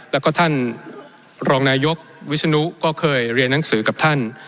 แล้วก็ท่านรองนายกวิศนุก็เคยเรียนหนังสือกับท่าน